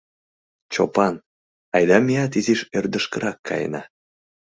— Чопан, айда меат изиш ӧрдыжкырак каена.